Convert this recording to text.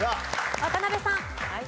渡辺さん。